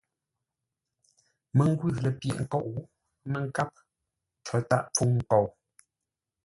Məngwʉ̂ lə̂ pyə̂ghʼ ńkóʼ, ə́ mə́ nkáp; có tǎa pfûŋ nkou.